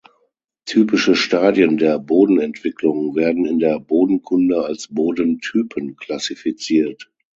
Typische Stadien der Bodenentwicklung werden in der Bodenkunde als Bodentypen klassifiziert.